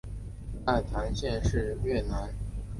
义坛县是越南乂安省下辖的一个县。